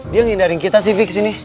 dia yang ngindarin kita sih vick sini